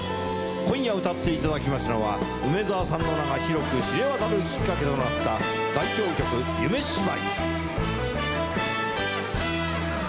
今夜歌っていただきますのは梅沢さんの名が広く知れ渡るきっかけとなった代表曲『夢芝居』。